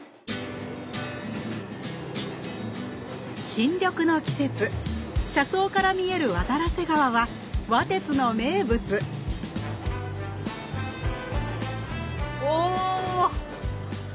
新緑の季節車窓から見える渡良瀬川は「わ鐵」の名物お！